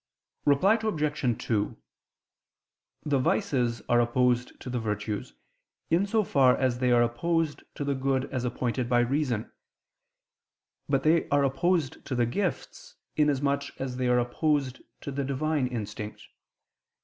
Reply Obj. 2: The vices are opposed to the virtues, in so far as they are opposed to the good as appointed by reason; but they are opposed to the gifts, in as much as they are opposed to the Divine instinct.